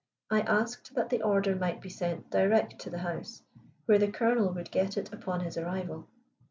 I asked that the order might be sent direct to the house, where the Colonel would get it upon his arrival.